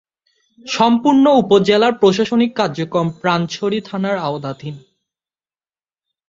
সম্পূর্ণ উপজেলার প্রশাসনিক কার্যক্রম পানছড়ি থানার আওতাধীন।